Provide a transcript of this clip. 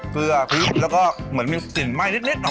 เกลือพริกแล้วก็เหมือนมีกลิ่นไหม้นิดหน่อย